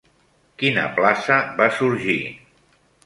Quina plaça va sorgir?